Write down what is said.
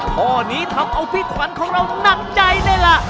ข้อนี้ทำเอาพิษฝรณ์ของเรานักใจได้ล่ะ